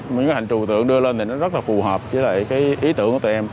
những cái hành trù tượng đưa lên thì nó rất là phù hợp với lại cái ý tưởng của tụi em